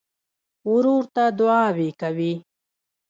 ورور ته دعاوې کوې.